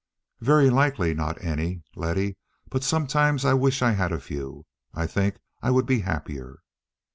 "Very likely, not any, Letty; but sometimes I wish I had a few. I think I would be happier."